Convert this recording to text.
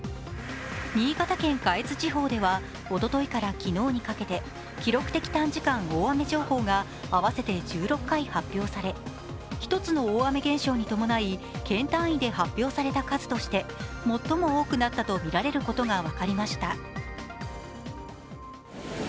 新潟県下越地方ではおとといから昨日にかけて記録的短時間大雨情報が合わせて１６回発表され、１つの大雨現象に伴い、県単位で発表された数として最も多くなったとみられることが分かりました。